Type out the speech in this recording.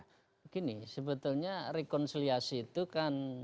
begini sebetulnya rekonsiliasi itu kan